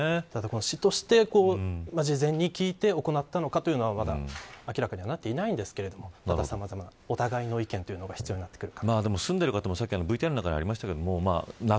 ただ、市として事前に聞いて行ったかというのはまだ明らかにはなっていませんがさまざまな、お互いの意見が必要になってくるかなと。